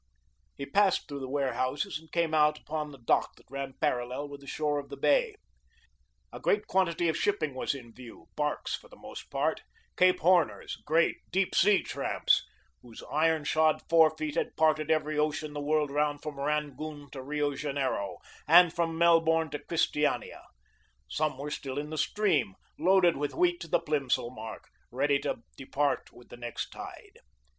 He passed through the warehouses and came out upon the dock that ran parallel with the shore of the bay. A great quantity of shipping was in view, barques for the most part, Cape Horners, great, deep sea tramps, whose iron shod forefeet had parted every ocean the world round from Rangoon to Rio Janeiro, and from Melbourne to Christiania. Some were still in the stream, loaded with wheat to the Plimsoll mark, ready to depart with the next tide.